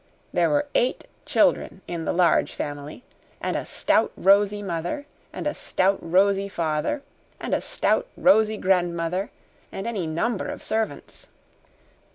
There were eight children in the Large Family, and a stout, rosy mother, and a stout, rosy father, and a stout, rosy grandmother, and any number of servants.